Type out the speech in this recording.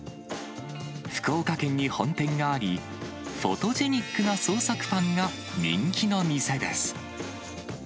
福岡県に本店があり、フォトジェニックな創作パンが人気の店です。